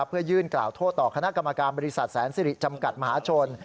เพื่อยื่นกล่าวโทษต่อคณะกรรมการบริษัทแสนสิริจำกัดมหาชน